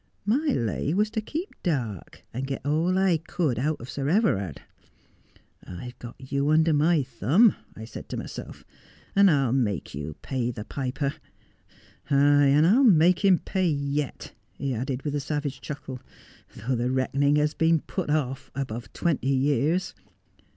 My lay was to keep dark, and get all I could out of Sir Everard. "I've got you under my thumb," I said to myself, " and I'll make you pay the piper." Ay, and I'll make him pay yet,' he added with a savage chuckle, ' though the reckoning has been put off above twenty years.'